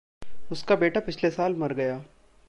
उसका बेटा पिछले साल मर गया।